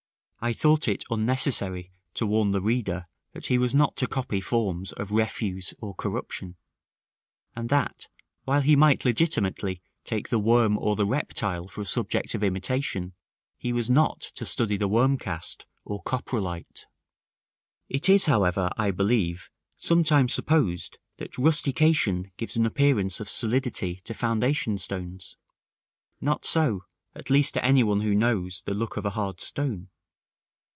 I thought it unnecessary to warn the reader that he was not to copy forms of refuse or corruption; and that, while he might legitimately take the worm or the reptile for a subject of imitation, he was not to study the worm cast or coprolite. § VI. It is, however, I believe, sometimes supposed that rustication gives an appearance of solidity to foundation stones. Not so; at least to any one who knows the look of a hard stone.